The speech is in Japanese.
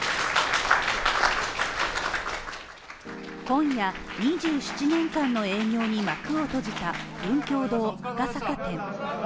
今夜、２７年間の営業に幕を閉じた文教堂赤坂店。